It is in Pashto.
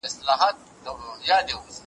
ستا د علم او منطق سره ده سمه `